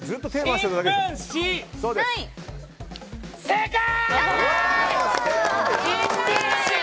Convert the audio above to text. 正解！